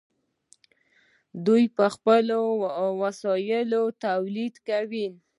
دوی په خپلو وسایلو تولید کاوه.